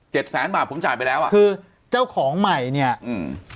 แสนบาทผมจ่ายไปแล้วอ่ะคือเจ้าของใหม่เนี้ยอืม